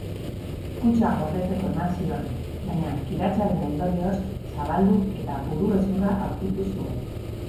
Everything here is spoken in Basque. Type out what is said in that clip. Kutxa gordetzeko eman zion, baina kiratsaren ondorioz zabaldu eta buru-hezurra aurkitu zuen.